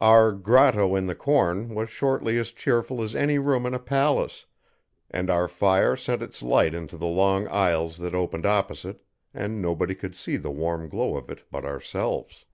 Our grotto, in the corn, was shortly as cheerful as any room in a palace, and our fire sent its light into the long aisles that opened opposite, and nobody could see the warm glow of it but ourselves.